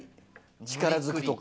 力ずくとか。